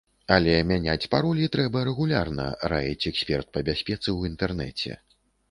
Але мяняць паролі трэба рэгулярна, раіць эксперт па бяспецы ў інтэрнэце.